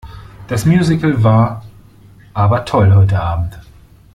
Das Musical war aber toll heute Abend.